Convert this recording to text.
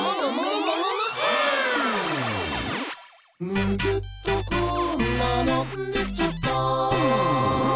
「むぎゅっとこんなのできちゃった！」